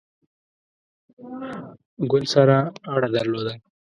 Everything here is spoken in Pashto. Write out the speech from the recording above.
ګوند سره اړه درلوده.